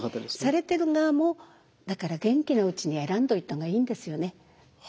されてる側もだから元気なうちに選んでおいた方がいいんですよね。